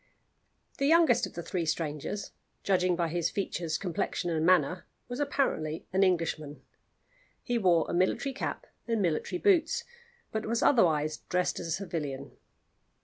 THE youngest of the three strangers judging by features, complexion, and manner was apparently an Englishman. He wore a military cap and military boots, but was otherwise dressed as a civilian.